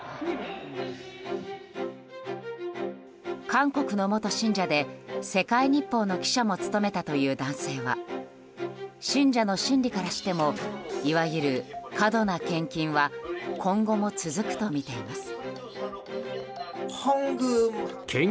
韓国の元信者で世界日報の記者も務めたという男性は信者の心理からしてもいわゆる過度な献金は今後も続くとみています。